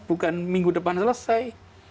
bukan minggu depan selesai